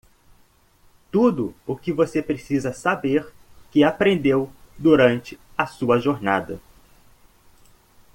Tudo o que você precisa saber que aprendeu durante a sua jornada.